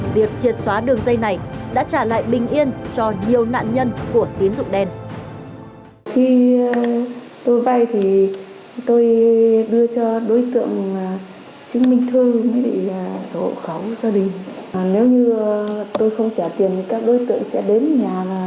việc triệt xóa đường dây này đã trả lại bình yên cho nhiều nạn nhân của tín dụng đen